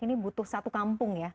ini butuh satu kampung ya